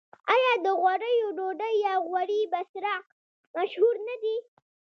آیا د غوړیو ډوډۍ یا غوړي بسراق مشهور نه دي؟